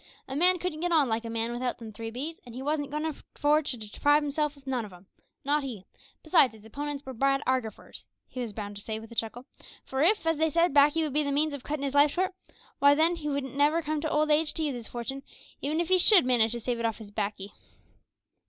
A man couldn't get on like a man without them three B's, and he wosn't goin' for to deprive hisself of none of 'em, not he; besides, his opponents were bad argifiers," he was wont to say, with a chuckle, "for if, as they said, baccy would be the means of cuttin' his life short, why then, he wouldn't never come to old age to use his fortin, even if he should manage to save it off his baccy."